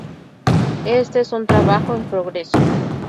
Este es un trabajo en progreso.